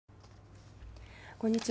こんにちは。